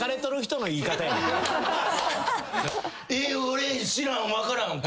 俺知らん分からん。